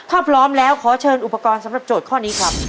ถ้าพร้อมแล้วขอเชิญอุปกรณ์สำหรับโจทย์ข้อนี้ครับ